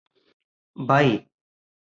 by